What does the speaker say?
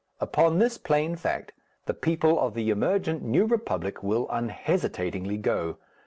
Upon this plain fact the people of the emergent New Republic will unhesitatingly go.